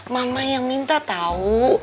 mama yang minta tau